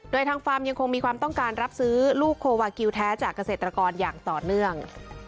โดยทางฟาร์มยังคงมีความต้องการรับซื้อลูกโควากิลแท้จากเกษตรกรอย่างต่อเนื่อง